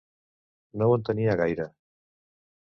No ho entenia gaire.